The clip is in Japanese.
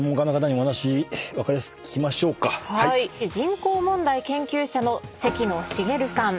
人口問題研究者の関野茂さん